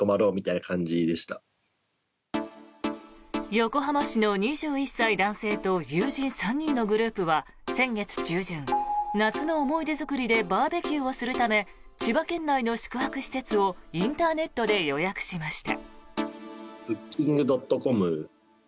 横浜市の２１歳男性と友人３人のグループは先月中旬、夏の思い出作りでバーベキューをするため千葉県内の宿泊施設をインターネットで予約しました。